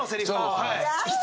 はい。